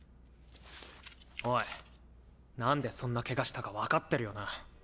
おいなんでそんなケガしたか分かってるよな。